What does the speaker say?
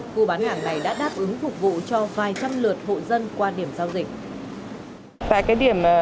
khu bán hàng này đã đáp ứng phục vụ cho vài trăm lượt hộ dân qua điểm giao dịch